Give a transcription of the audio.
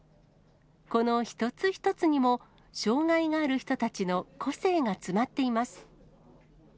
この一つ一つにも、障がいがある人たちの個性が詰まっています。